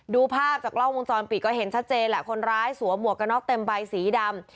ดูภาพจากกล้องวงจรปิดก็เห็นชัดเจนแหละคนร้ายสวมหมวกกระน็อกเต็มใบสีดำ